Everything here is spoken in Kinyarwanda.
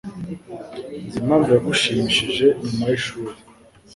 Nzi impamvu yagumishijwe nyuma yishuri.